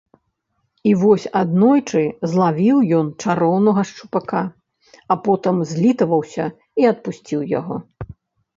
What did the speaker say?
І вось аднойчы злавіў ён чароўнага шчупака, а потым злітаваўся і адпусціў яго.